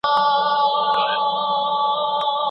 هغه وویل ډیوډرنټ د بدن د خوشبویۍ لپاره مهم دی.